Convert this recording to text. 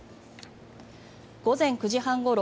午前９時半ごろ